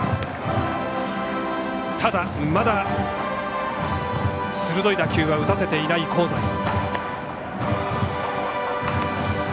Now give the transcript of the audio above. ただ、まだ鋭い打球は打たせていない香西。